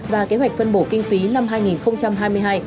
và kế hoạch phân bổ kinh phí năm hai nghìn hai mươi hai